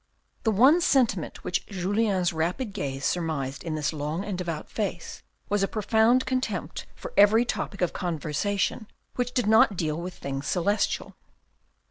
The one sentiment which Julien's rapid gaze surmised in this long and devout face was a profound contempt for every topic of conversation which did not deal with things celestial.